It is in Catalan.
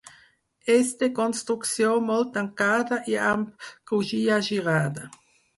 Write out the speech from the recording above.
És de construcció molt tancada i amb crugia girada.